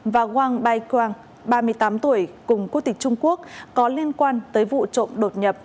và wang bay kwang ba mươi tám tuổi cùng quốc tịch trung quốc có liên quan tới vụ trộm đột nhập